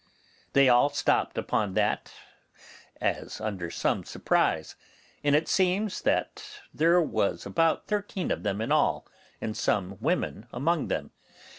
They all stopped upon that, as under some surprise, and it seems there was about thirteen of them in all, and some women among them.